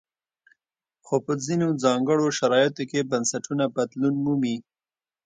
خو په ځینو ځانګړو شرایطو کې بنسټونه بدلون مومي.